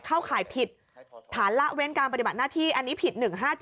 ข่ายผิดฐานละเว้นการปฏิบัติหน้าที่อันนี้ผิด๑๕๗